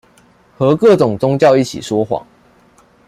和各種宗教一起說謊